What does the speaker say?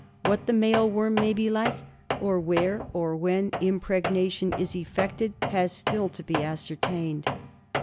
What the male worm may be like, or where or when impregnation is effected, has still to be ascertained.